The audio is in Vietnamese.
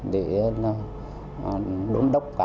để đổn đốc cả tù